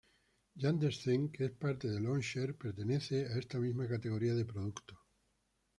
Yandex Zen, que es parte de Launcher, pertenece a esta misma categoría de producto.